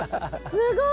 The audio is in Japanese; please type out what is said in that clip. すごい！